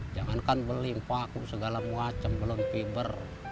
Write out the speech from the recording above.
jangankan beli paku segala macam belum fiber